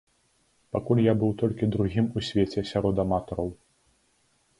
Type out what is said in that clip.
Пакуль я быў толькі другім у свеце сярод аматараў.